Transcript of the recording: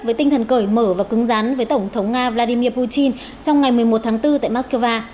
với tinh thần cởi mở và cứng rắn với tổng thống nga vladimir putin trong ngày một mươi một tháng bốn tại moscow